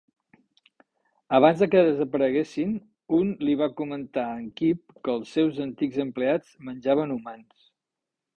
Abans de que desapareguessin, un li va comentar a en Kip que el seus antics empleats menjaven humans.